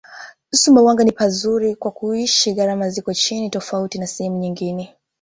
Sumbawanga ni pazuri kwa kuishi gharama ziko chini tofauti na sehemu nyngine